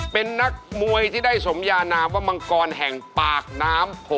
เป็นนักมวยที่ได้สมยานามว่ามังกรแห่งปากน้ำ